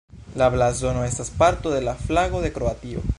La blazono estas parto de la flago de Kroatio.